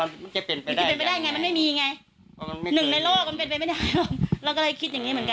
เราก็คิดว่ามันเป็นตัวนี้มันก็จะสื่อสารให้เราสบายใจขึ้น